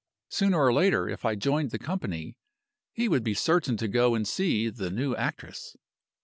Sooner or later, if I joined the company he would be certain to go and see 'the new actress.